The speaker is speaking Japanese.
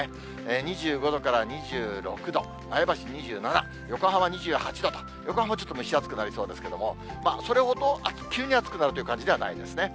２５度から２６度、前橋２７、横浜２８度と、横浜ちょっと蒸し暑くなりそうですけども、それほど急に暑くなるという感じではないですね。